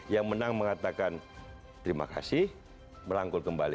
yang menang mengatakan terima kasih merangkul kembali